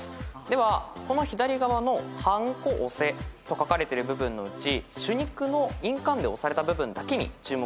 ではこの左側の「ハンコオセ」と書かれてる部分のうち朱肉の印鑑で押された部分だけに注目していきましょう。